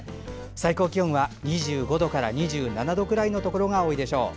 最高気温は、２５度から２７度くらいのところが多いでしょう。